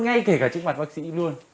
ngay kể cả trước mặt bác sĩ luôn